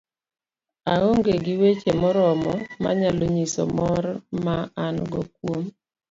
aong'e gi weche moromo manyalo nyiso mor ma an go kuom